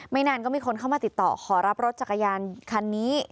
นานก็มีคนเข้ามาติดต่อขอรับรถจักรยานคันนี้